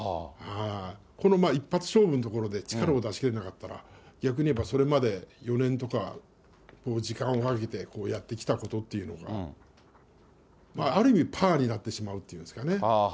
この一発勝負のところで力を出しきれなかったら、逆にいえば、それまで４年とかの時間をかけてやってきたことっていうのは、ある意味、パーになってしまうっていうんですかね。